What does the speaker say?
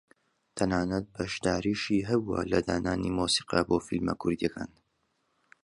تەنانەت بەشداریشی هەبووە لە دانانی مۆسیقا بۆ فیلمە کوردییەکان